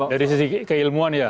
dari sisi keilmuan ya